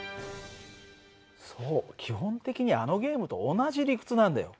そう基本的にはあのゲームと同じ理屈なんだよ。